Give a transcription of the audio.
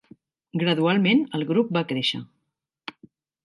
Gradualment, el grup va créixer.